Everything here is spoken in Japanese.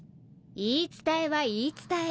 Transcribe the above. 言い伝えは言い伝え。